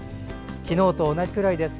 昨日と同じくらいです。